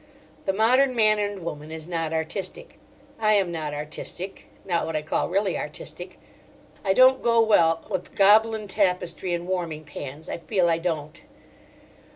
The modern man and woman is not artistic. I am not artistic—not what I call really artistic. I don't go well with Gobelin tapestry and warming pans. I feel I don't.